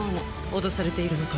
脅されているのか？